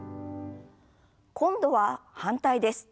今度は反対です。